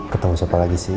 ketemu siapa lagi sih